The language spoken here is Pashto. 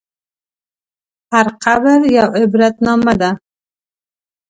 هر قبر یوه عبرتنامه ده.